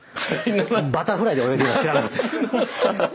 バタフライで泳いでるのは知らなかったです。